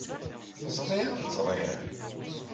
Teẓriḍ ẓṛiɣ.